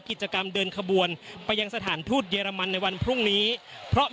กิจกรรมเดินขบวนไปยังสถานทูตเยอรมันในวันพรุ่งนี้เพราะ